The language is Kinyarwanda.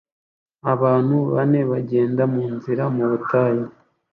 Abantu bane bagenda munzira mu butayu